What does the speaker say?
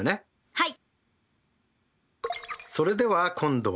はい。